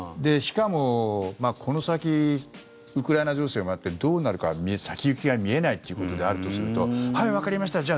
しかも、この先ウクライナ情勢もあってどうなるか先行きが見えないということであるとするとはい、わかりました